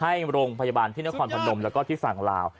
ให้โรงพยาบาลที่นครพนมแล้วก็ที่ฝั่งลาว